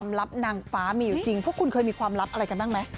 ลับนางฟ้ามีอยู่จริงพวกคุณเคยมีความลับอะไรกันบ้างไหม